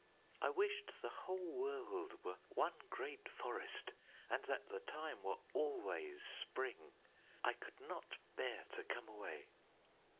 I wished the whole world were one great forest, and that the time were always spring. I could not bear to come away!"